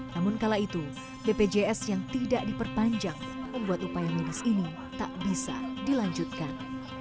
namun kala itu bpjs yang tidak diperpanjang membuat upaya medis ini tak bisa dilanjutkan